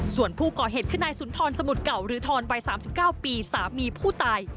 ส่วนผู้ก่อเหตุคือนายสุนทรสมุทรเก่าหรือทรวัย๓๙ปีสามีผู้ตาย